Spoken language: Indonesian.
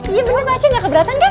iya bener pak aceh nggak keberatan kan